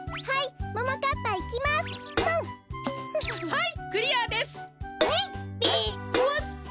はい。